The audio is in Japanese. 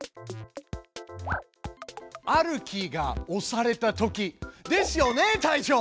「あるキーが押されたとき」ですよね隊長！